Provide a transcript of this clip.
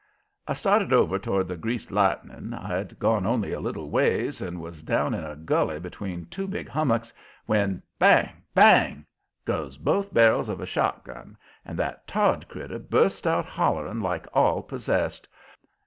I started over toward the Greased Lightning. I'd gone only a little ways, and was down in a gully between two big hummocks, when "Bang! bang!" goes both barrels of a shotgun, and that Todd critter busts out hollering like all possessed.